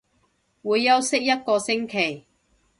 會休息一個星期